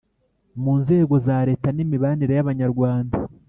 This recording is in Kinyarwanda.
mu nzego za Leta n imibanire y abanyarwanda